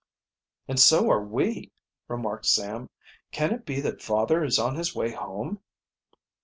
"And so are we," remarked Sam. "Can it be that father is on his way home?"